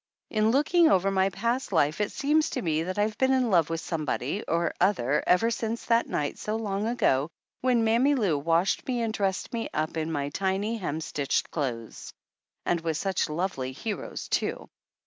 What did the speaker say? In looking over my past life it seems to me that I've been in love with somebody or other ever since that night so long ago, when Mammy Lou washed me and dressed me up in my tiny hemstitched clothes. And with such lovely heroes, too!